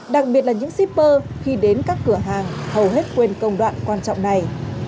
đặc biệt là những shipper khi đến các cửa hàng hầu hết quên công đoạn quan trọng này